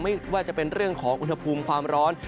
ไม่ว่าจะเป็นเรื่องของอุณหภูมิความร้อน